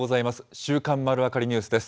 週刊まるわかりニュースです。